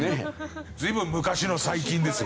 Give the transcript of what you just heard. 随分昔の「最近」ですね。